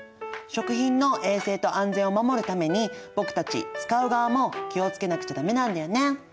食品の衛生と安全を守るために僕たちつかう側も気を付けなくちゃ駄目なんだよね。